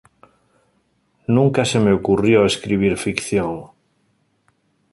Nunca se me ocurrió escribir ficción.